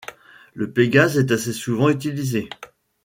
Le pégase est assez souvent utilisé.